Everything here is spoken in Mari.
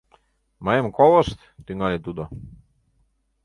— Мыйым колышт, — тӱҥале тудо.